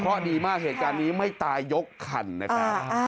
แต่ข้อดีมากเหตุการณ์นี้ไม่ตายยกคันนะคะ